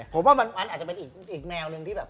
ผมว่ามันอาจจะเป็นอีกแนวหนึ่งที่แบบ